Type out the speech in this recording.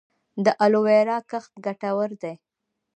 د الوویرا کښت ګټور دی؟